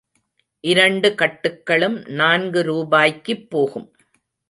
இரண்டு கட்டுக்களும் நான்கு ரூபாய்க்குப் போகும்.